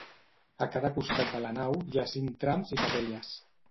A cada costat de la nau hi ha cinc trams i capelles.